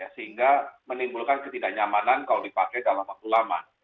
sehingga menimbulkan ketidaknyamanan kalau dipakai dalam waktu lama